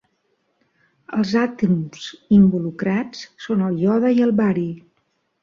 Els àtoms involucrats són el iode i el bari.